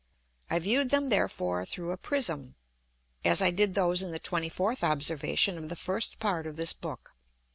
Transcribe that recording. I viewed them therefore through a Prism, as I did those in the 24th Observation of the first Part of this Book.